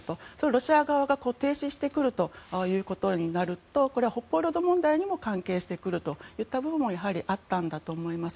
ロシア側が停止してくるということになると北方領土問題にも関係してくるというものもやはりあったんだと思います。